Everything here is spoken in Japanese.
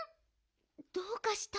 どうかした？